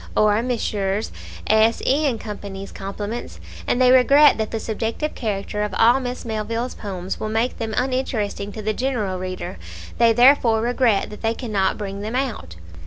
Or "Messrs. S , E ,& Co.'s compliments, and they regret that the subjective character of all Miss Melville's poems will make them uninteresting to the general reader. They therefore regret that they cannot bring them out."